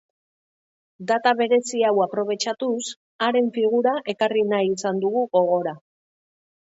Data berezi hau aprobetxatuz haren figura ekarri nahi izan dugu gogora.